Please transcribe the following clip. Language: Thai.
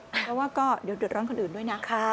เพราะว่าก็เดี๋ยวเดือดร้อนคนอื่นด้วยนะคะ